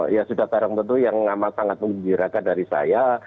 ya sudah sekarang betul yang amat sangat menggirakan dari saya